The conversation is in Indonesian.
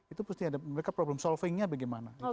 itu pasti ada mereka problem solvingnya bagaimana